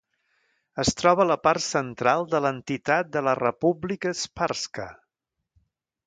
Es troba a la part central de l'entitat de la Republika Sprska.